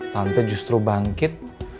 tante justru bangkit